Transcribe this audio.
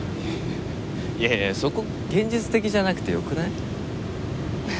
いやいやそこ現実的じゃなくてよくない？